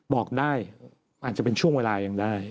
บอกได้อาจจะเป็นช่วงเวลายังได้